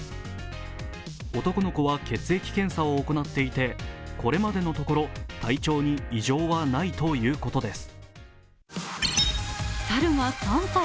男の子は血液検査を行っていて、これまでのところ、体調に異常はないとのことです。